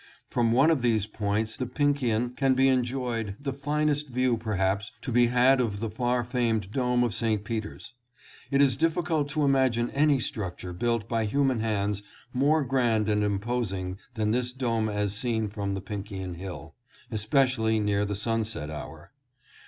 From one of these points, the Pincian, can be enjoyed the finest view perhaps to be had of the far famed dome of St. Peter's. It is difficult to imagine any structure built by human hands more grand and imposing than this dome as seen from the Pincian Hill, especially near the sunset hour.